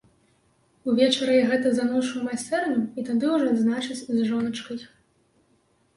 Увечары я гэта заношу ў майстэрню, і тады ўжо адзначыць з жоначкай.